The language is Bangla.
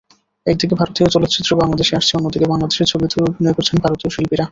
একদিকে ভারতীয় চলচ্চিত্র বাংলাদেশে আসছে অন্যদিকে বাংলাদেশের ছবিতেও অভিনয় করছেন ভারতীয় শিল্পীরা।